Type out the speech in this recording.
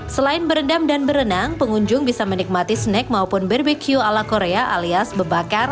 selain berenang dan berenang pengunjung bisa menikmati snack maupun bbq ala korea alias bebanan